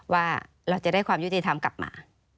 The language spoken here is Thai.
ว่าเราจะได้ความยุติธรรมกลับมา